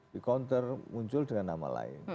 di counter muncul dengan nama lain